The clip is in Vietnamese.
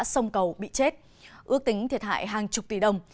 sông cầu bị chết ước tính thiệt hại hàng chục tỷ đồng